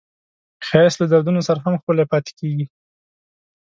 ښایست له دردونو سره هم ښکلی پاتې کېږي